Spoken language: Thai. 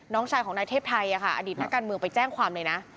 น้องชายของนายเทพไทยอดีตนักการเมืองไปแจ้งความเลยนะ